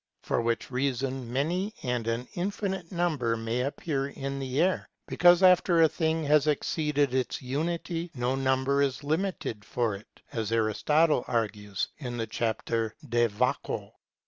For which reason many and an infinite number may appear in the air ; because after a thing has exceeded its unity, no number is limited for it, as Aristotle argues in the chapter De Vacuo.